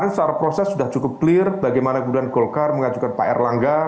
tetapi pada saat proses sudah cukup clear bagaimana kemudian golkar mengajukan pak erlangga